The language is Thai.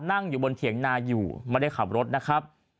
นั่งอยู่บนเถียงนาอยู่ไม่ได้ขับรถนะครับ